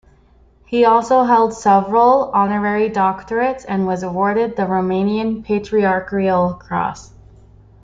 He also held several honorary doctorates, and was awarded the Romanian Patriarchal Cross.